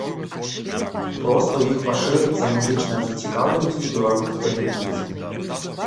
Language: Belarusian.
Проста ў іх пашырыцца музычная зацікаўленасць у беларускай музыцы.